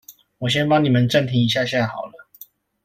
我先幫你們暫停一下下好了